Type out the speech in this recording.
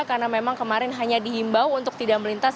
karena memang kemarin hanya dihimbau untuk tidak melintas